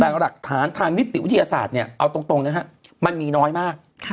แต่หลักฐานทางนิติวิทยาศาสตร์เนี่ยเอาตรงนะฮะมันมีน้อยมาก